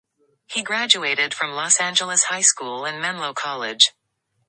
He graduated from Los Angeles High School and Menlo College.